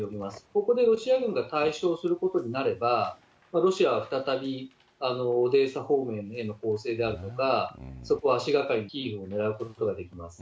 ここでロシア軍が大勝することになれば、ロシアは再びオデーサ方面への攻勢であるのか、そこを足がかりにキーウを狙うことができます。